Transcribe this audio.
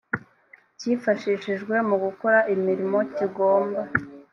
cyifashishijwe mu gukora imirimo kigomba